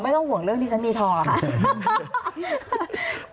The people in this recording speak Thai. ไม่ต้องห่วงเรื่องที่ฉันมีทองหรอกค่ะ